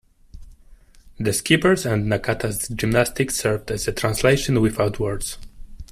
The skipper's and Nakata's gymnastics served as a translation without words.